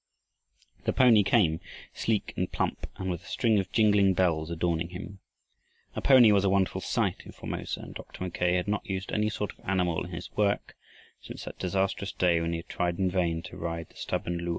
The pony came, sleek and plump and with a string of jingling bells adorning him. A pony was a wonderful sight in Formosa, and Dr. Mackay had not used any sort of animal in his work since that disastrous day when he had tried in vain to ride the stubborn Lu a.